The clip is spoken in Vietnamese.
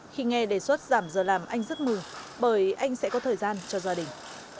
khi nghe đề xuất giảm giờ làm anh rất mừng bởi anh sẽ có thời gian cho gia đình